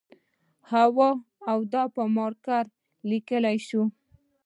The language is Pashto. هو او دا په مارکر لیکل شوی و